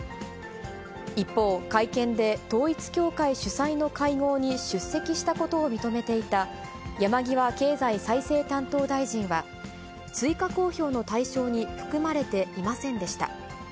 一方、会見で統一教会主催の会合に出席していたことを認めていた、山際経済再生担当大臣は、追加公表の対象に含まれていませんでした。